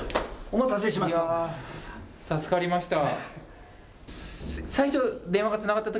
お待たせしました。